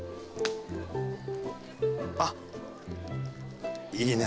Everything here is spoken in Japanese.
あっいいね。